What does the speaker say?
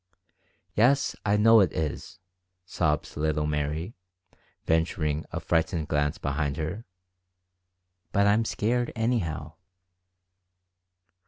"Yes, I know it is," sobs little Mary, venturing a frightened glance behind her ; "but I'm scared, anyhow."